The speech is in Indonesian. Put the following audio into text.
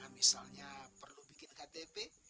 misalnya perlu bikin ktp